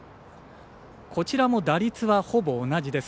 こちらも打率はほぼ同じです。